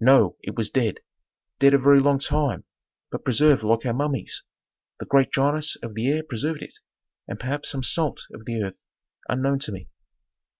"No, it was dead. Dead a very long time, but preserved like our mummies. The great dryness of the air preserved it, and perhaps some salt of the earth unknown to me.